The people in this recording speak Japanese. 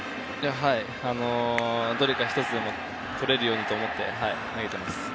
どれか１つでもとれるようにと思って投げています。